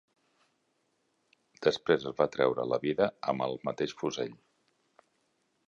Després es va treure la vida amb el mateix fusell.